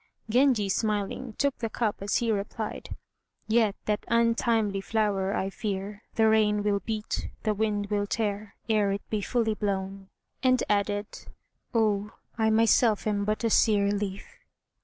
Genji, smiling, took the cup as he replied, "Yet that untimely flower, I fear, The rain will beat, the wind will tear, Ere it be fully blown." And added, "Oh, I myself am but a sere leaf."